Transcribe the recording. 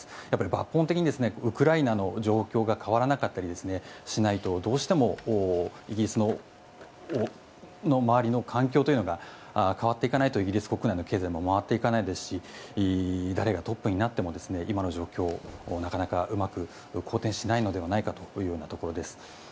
抜本的にウクライナの状況が変わらなかったりしないとどうしてもイギリスの周りの環境というのが変わっていかないとイギリス国内の経済も回っていかないですし誰がトップになっても今の状況は、なかなかうまく好転しないのではないかというところです。